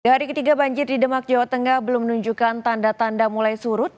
hari ketiga banjir di demak jawa tengah belum menunjukkan tanda tanda mulai surut